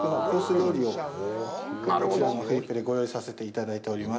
料理をこちらのフリップでご用意させていただいております。